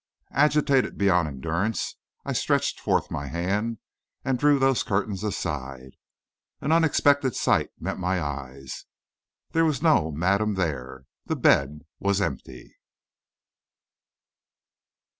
Agitated beyond endurance, I stretched forth my hands and drew those curtains aside. An unexpected sight met my eyes. There was no madame there; the bed was empty.